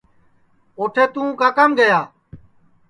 اوٹھے تُوں کاکام گیا